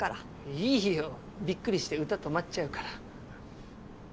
いいよびっくりして歌止まっちゃうから。